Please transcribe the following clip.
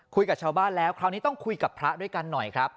คุยกับชาวบ้านแล้วคราวนี้ต้องคุยกับพระด้วยกันหน่อยครับ